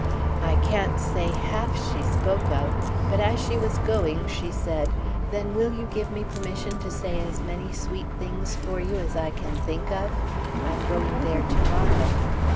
I can't say half she spoke of, but as she was going she said, "Then will you give me permission to say as many sweet things for you as I can think of? I'm going there to morrow."